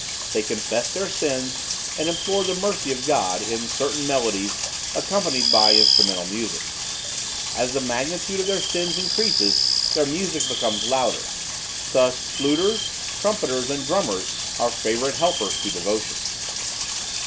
They confess their sins and implore the mercy of God, in certain melodies, accompanied by instrumental music. As the magnitude of their sins increases, their music becomes louder: thus fluters, trumpeters and drummers are favorite helpers to devotion.